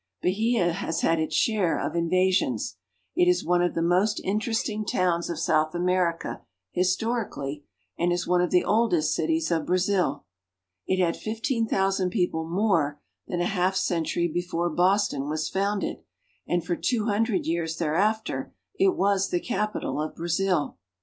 Bahia has had its share of invasions. It is one of the most interesting towns of South America historically, and is one of the oldest cities of Brazil. It had fifteen thousand people more than half a century before Boston was founded, and for two hundred years thereafter it was the capital of Brazil.